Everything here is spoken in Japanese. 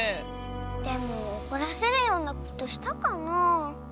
でもおこらせるようなことしたかなあ。